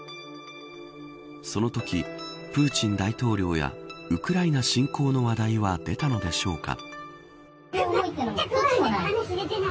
そのとき、プーチン大統領やウクライナ侵攻の話題は出たのでしょうか。